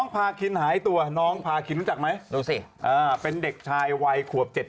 ไม่ต้องเจอฉันอีกเลย